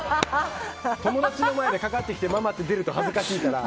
友達の前でかかってきてママって出ると恥ずかしいから。